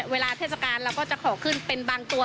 เทศกาลเราก็จะขอขึ้นเป็นบางตัว